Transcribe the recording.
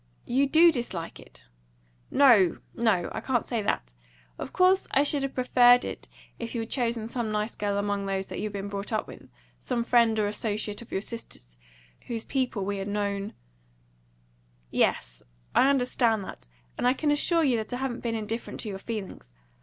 "You do dislike it!" "No no! I can't say that. Of course I should have preferred it if you had chosen some nice girl among those that you had been brought up with some friend or associate of your sisters, whose people we had known " "Yes, I understand that, and I can assure you that I haven't been indifferent to your feelings.